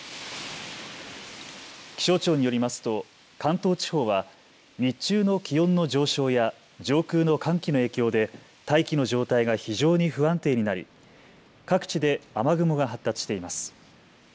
気象庁によりますと関東地方は日中の気温の上昇や上空の寒気の影響で大気の状態が非常に不安定になり各地で雨雲が発達しています。